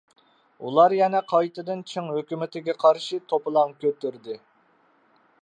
ئۇلار يەنە قايتىدىن چىڭ ھۆكۈمىتىگە قارشى توپىلاڭ كۆتۈردى.